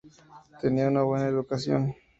Tenía una buena educación.